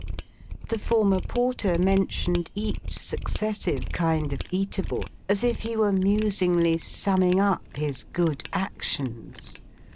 The former porter mentioned each successive kind of eatable, as if he were musingly summing up his good actions.